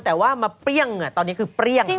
แต่ว่ามาเปรี้ยงตอนนี้คือเปรี้ยง